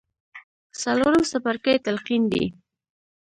څلورم څپرکی تلقين دی.